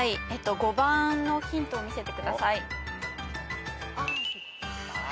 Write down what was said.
５番のヒントを見せてください。